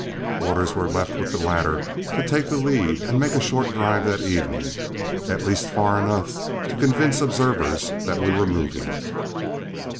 Orders were left with the latter to take the lead and make a short drive that evening, at least far enough to convince observers that we were moving.